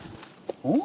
うん？